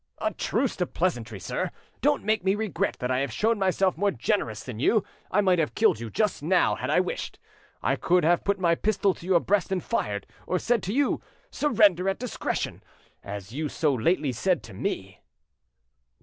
"A truce to pleasantry, sir; don't make me regret that I have shown myself more generous than you. I might have killed you just now had I wished. I could have put my pistol to your breast and fired, or said to you, 'Surrender at discretion!' as you so lately said to me."